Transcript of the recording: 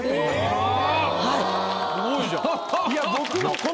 すごいじゃん。